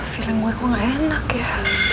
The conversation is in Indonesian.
feeling gue kok gak enak ya